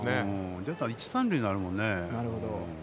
出たら一・三塁になるものね。